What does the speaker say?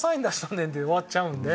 で終わっちゃうんで。